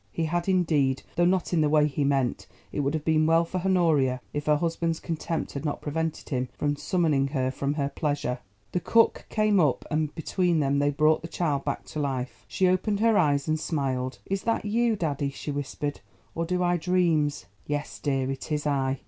He had indeed, though not in the way he meant. It would have been well for Honoria if her husband's contempt had not prevented him from summoning her from her pleasure. The cook came up, and between them they brought the child back to life. She opened her eyes and smiled. "Is that you, daddy," she whispered, "or do I dreams?" "Yes, dear, it is I."